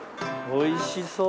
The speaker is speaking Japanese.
おいしそう。